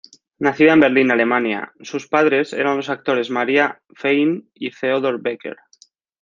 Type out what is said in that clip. Nacida en Berlín, Alemania, sus padres eran los actores Maria Fein y Theodor Becker.